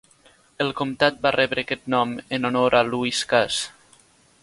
El comtat va rebre aquest nom en honor a Lewis Cass.